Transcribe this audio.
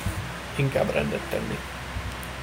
Inkább rendet tenni.